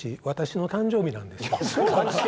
私の誕生日なんです。